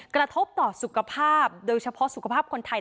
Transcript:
กระทบต่อสุขภาพโดยเฉพาะสุขภาพคนไทย